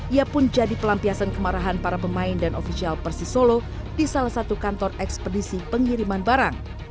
ia pun jadi pelampiasan kemarahan para pemain dan ofisial persisolo di salah satu kantor ekspedisi pengiriman barang